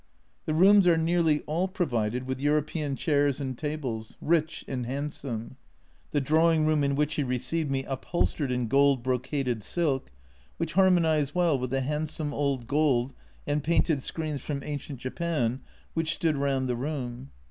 The rooms are nearly all provided with European chairs and tables, rich and handsome, the drawing room in which he received me upholstered in gold brocaded silk, which har monised well with the handsome old gold and painted screens from ancient Japan which stood round the room.